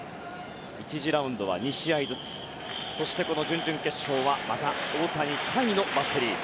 １次ラウンドは２試合ずつそして、準々決勝はまた大谷、甲斐のバッテリー。